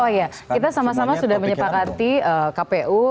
oh iya kita sama sama sudah menyepakati kpu